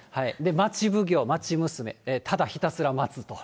マチ奉行、マチ娘、ただひたすら待つと。